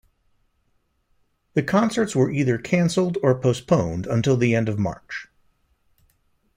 The concerts were either canceled or postponed until the end of March.